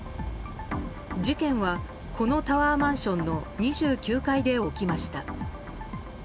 事件はこのタワーマンションの２９階で起きました。